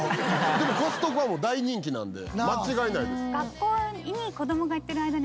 でもコストコはもう大人気なんで間違いないです。